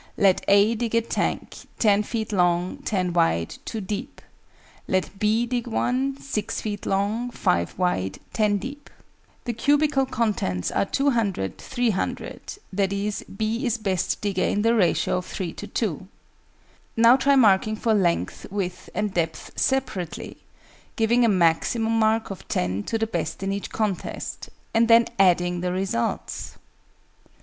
Let A dig a tank 10 feet long, 10 wide, 2 deep: let B dig one 6 feet long, 5 wide, 10 deep. The cubical contents are 200, 300; i.e. B is best digger in the ratio of 3 to 2. Now try marking for length, width, and depth, separately; giving a maximum mark of 10 to the best in each contest, and then adding the results!